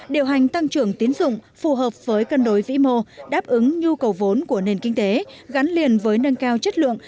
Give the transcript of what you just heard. điều hành tăng trưởng tiến dụng phù hợp với cân đối vĩ mô đáp ứng nhu cầu vốn của nền kinh tế gắn liền với nâng cao chất lượng